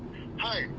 はい。